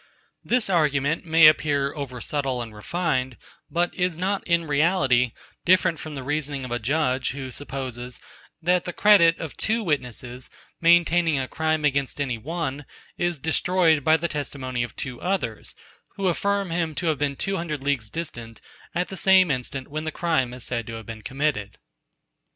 This argument may appear over subtile and refined; but is not in reality different from the reasoning of a judge, who supposes, that the credit of two witnesses, maintaining a crime against any one, is destroyed by the testimony of two others, who affirm him to have been two hundred leagues distant, at the same instant when the crime is said to have been committed.